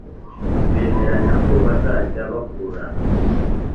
Bemeranya ko bazajya bakuranwa